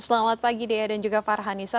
selamat pagi dea dan juga farhanisa